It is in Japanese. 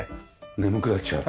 眠くなっちゃう。